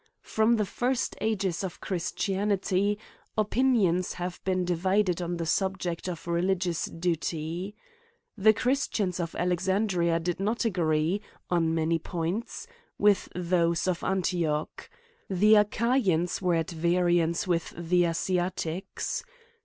From the first ages of Christianity, opinions have been divided on the subject of religious duty. The christians of Alexandria did not agree, oo many joints, with those of Antioch. The Ach aians were at variance with the Asiatics.